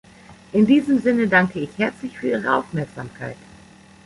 In diesem Sinne danke ich herzlich für Ihre Aufmerksamkeit!